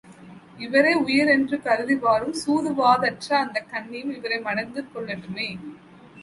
இவரே உயிர் என்று கருதி வாழும் சூதுவாதற்ற அந்தக் கன்னியும் இவரை மணந்து கொள்ளட்டுமே.